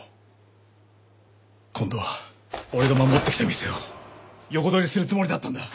今度は俺が守ってきた店を横取りするつもりだったんだ！